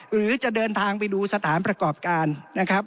หรือจะเดินทางไปดูสถานประกอบการนะครับ